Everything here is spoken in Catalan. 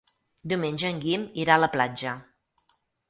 Diumenge en Guim irà a la platja.